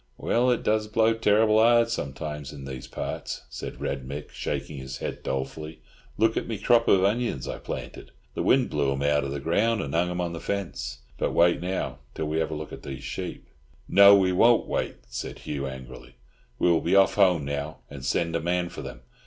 "Well it does blow terrible hard sometimes in these parts," said Red Mick, shaking his head dolefully; "look at me crop of onions I planted—the wind blew 'em out of the ground, and hung 'em on the fence. But wait now, till we have a look at these sheep." "No, we won't wait," said Hugh angrily. "We will be off home now, and send a man for them.